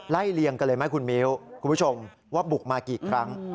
เลียงกันเลยไหมคุณมิ้วคุณผู้ชมว่าบุกมากี่ครั้ง